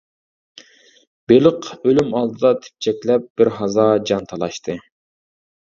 بېلىق ئۆلۈم ئالدىدا تېپچەكلەپ بىر ھازا جان تالاشتى.